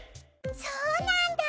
そうなんだ。